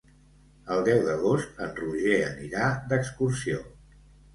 El deu d'agost en Roger anirà d'excursió.